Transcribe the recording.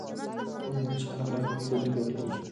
هغه مهال چې خلک رایه ورکړي، ګډون پیاوړی کېږي.